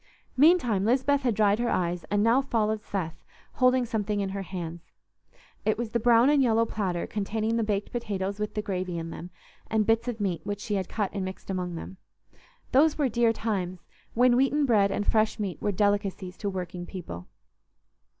Meantime Lisbeth had dried her eyes, and now followed Seth, holding something in her hands. It was the brown and yellow platter containing the baked potatoes with the gravy in them and bits of meat which she had cut and mixed among them. Those were dear times, when wheaten bread and fresh meat were delicacies to working people.